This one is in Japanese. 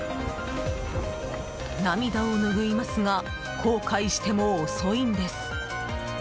涙を拭いますが後悔しても遅いんです。